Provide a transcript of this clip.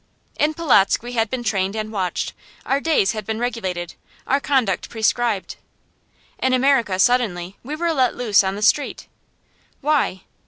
In Polotzk we had been trained and watched, our days had been regulated, our conduct prescribed. In America, suddenly, we were let loose on the street. Why?